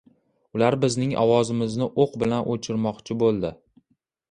Ular bizning ovozimizni o‘q bilan o‘chirmoqchi bo‘ldi